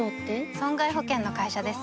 損害保険の会社です